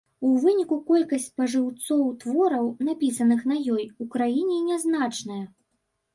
У выніку колькасць спажыўцоў твораў, напісаных на ёй, у краіне нязначная.